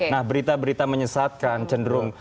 nah berita berita menyesatkan cenderung